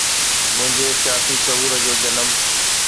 منهنجي سياسي شعور جو جنم